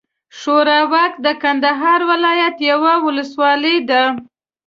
ښوراوک د کندهار ولايت یوه اولسوالي ده.